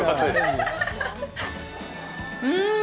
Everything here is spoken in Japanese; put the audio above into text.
うん。